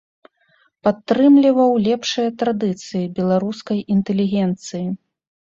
Падтрымліваў лепшыя традыцыі беларускай інтэлігенцыі.